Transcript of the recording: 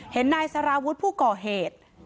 เห็นนายสารวุฒิผู้ก่อเหตุ